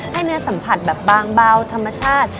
เนื้อสัมผัสแบบบางเบาธรรมชาติ